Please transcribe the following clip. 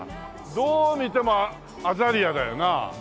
どうみてもアザリアだよな？